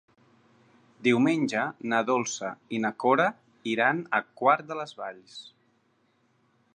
Diumenge na Dolça i na Cora iran a Quart de les Valls.